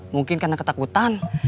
mungkin karena ketakutan